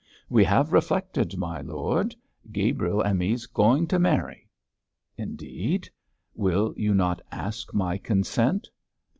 'We have reflected, my lord. Gabriel and me's going to marry.' 'Indeed! will you not ask my consent?'